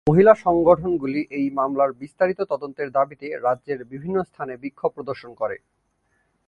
মহিলা সংগঠনগুলি এই মামলার বিস্তারিত তদন্তের দাবিতে রাজ্যের বিভিন্ন স্থানে বিক্ষোভ প্রদর্শন করে।